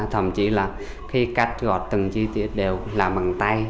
thậm chí là khi cắt gọt từng chi tiết đều làm bằng tay